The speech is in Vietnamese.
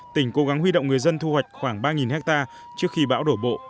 tỉnh cố gắng huy động người dân thu hoạch khoảng ba hectare trước khi bão đổ bộ